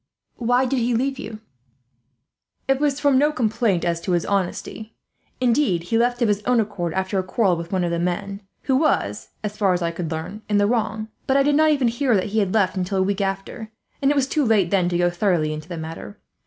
"Why did he leave you?" "It was from no complaint as to his honesty. Indeed, he left of his own accord, after a quarrel with one of the men, who was, as far as I could learn, in the wrong. I did not even hear that he had left until a week after, and it was too late then to go thoroughly into the matter.